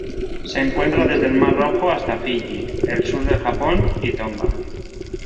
Se encuentra desde el Mar Rojo hasta Fiyi, el sur del Japón y Tonga.